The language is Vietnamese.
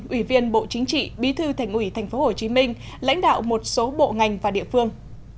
ủy viên bộ chính trị bí thư thành ủy tp hcm lãnh đạo một số bộ ngành và địa phương